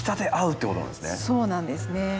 そうなんですね。